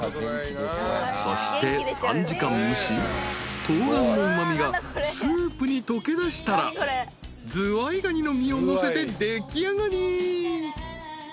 ［そして３時間蒸し冬ガンのうま味がスープに溶けだしたらズワイガニの身をのせて出来上がり］